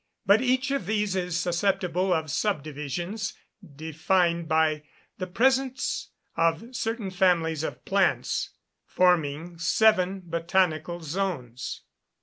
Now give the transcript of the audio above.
But each of these is susceptible of sub divisions, defined by the presence of certain families of plants, forming seven botanical zones.